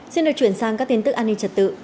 xin được chuyển sang các tin tức an ninh trật tự